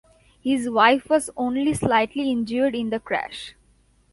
His wife was only slightly injured in the crash.